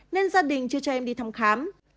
nên gia đình chưa cho em đi thăm khám